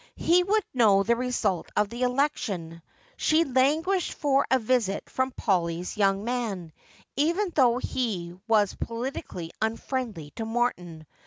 He would know the result of the election. She languished for a visit from Polly's young man, even though he was politically unfriendly to Morton.